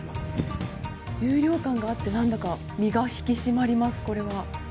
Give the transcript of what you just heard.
重量感があって何だか身が引き締まります。